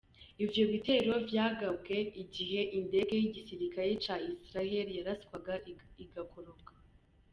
Ivyo bitero vyagabwe igihe indege y'igisirikare ca Israeli yaraswa igakoroka.